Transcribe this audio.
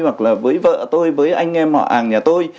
hoặc là với vợ tôi với anh em họ